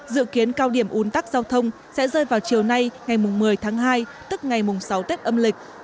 dự kiến cao điểm ủn tắc giao thông sẽ rơi vào chiều nay ngày một mươi tháng hai tức ngày mùng sáu tết âm lịch